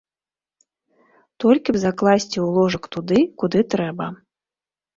Толькі б закласці ў ложак туды, куды трэба.